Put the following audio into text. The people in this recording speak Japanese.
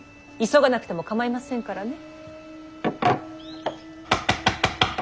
急がなくても構いませんからね。